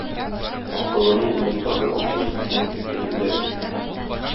Акыллының уендагы акылсызның телендә.